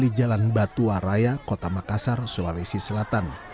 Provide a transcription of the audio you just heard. di jalan batu araya kota makassar sulawesi selatan